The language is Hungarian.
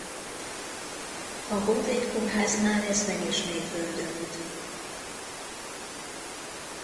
A Honvéd Kórháznál ez megismétlődött.